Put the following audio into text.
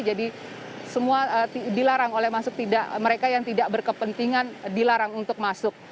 jadi semua dilarang oleh masuk mereka yang tidak berkepentingan dilarang untuk masuk